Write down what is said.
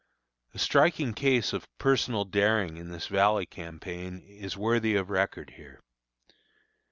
A striking case of personal daring in this Valley campaign, is worthy of record here.